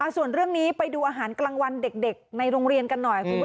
ส่วนเรื่องนี้ไปดูอาหารกลางวันเด็กในโรงเรียนกันหน่อยคุณผู้ชม